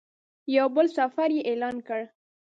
یو بل سفر یې اعلان کړ.